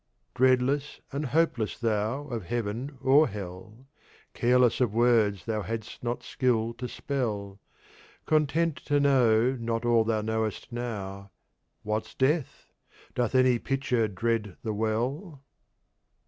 Dreadless and hopeless thou of Heaven or Hell, Careless of Words thou hadst not Skill to spell, Content to know not all thou knowest now, What's Death? Doth any Pitcher dread the Well?